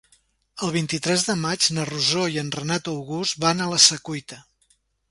El vint-i-tres de maig na Rosó i en Renat August van a la Secuita.